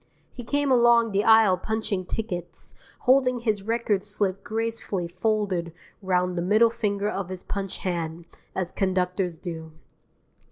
He came along the aisle punching tickets, holding his record slip gracefully folded round the middle finger of his punch hand, as conductors do.